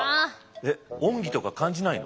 えっ恩義とか感じないの？